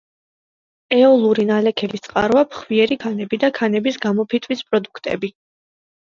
ეოლური ნალექების წყაროა ფხვიერი ქანები და ქანების გამოფიტვის პროდუქტები.